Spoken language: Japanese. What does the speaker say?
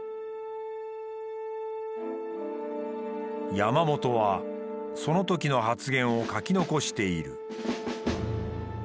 山本はそのときの発言を書き残している。